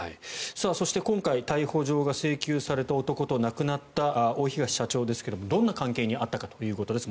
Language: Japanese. そして、今回逮捕状が請求された男と亡くなった大東社長ですがどんな関係にあったかということです。